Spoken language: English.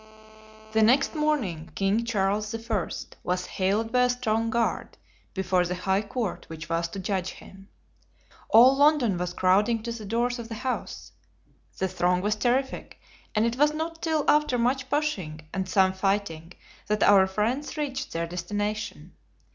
The next morning King Charles I. was haled by a strong guard before the high court which was to judge him. All London was crowding to the doors of the house. The throng was terrific, and it was not till after much pushing and some fighting that our friends reached their destination.